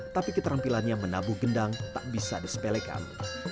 tapi keterampilannya menabuh gendang tak bisa disepelekan